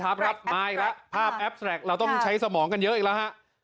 ครับมาอีกแล้วภาพแอปแลกเราต้องใช้สมองกันเยอะอีกแล้วฮะ